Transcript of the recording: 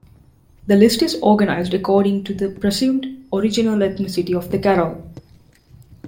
The list is organized according to the presumed original ethnicity of the carol.